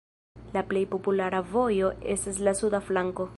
La plej populara vojo estas la suda flanko.